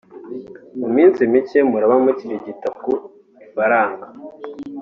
mu minsi mike muraba mukirigita ku ifaranga